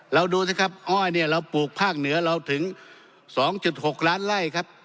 เราดูสิครับอ้อยเนี่ยเราปลูกภาคเหนือเราถึง๒๖ล้านไล่ครับ